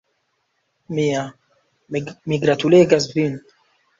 Mia, mi gratulegas vin!